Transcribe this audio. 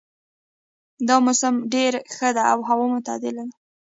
دا موسم ډېر ښه ده او هوا معتدله ده